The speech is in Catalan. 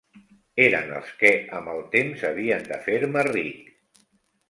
Eren els que, amb el temps, havien de fer-me ric.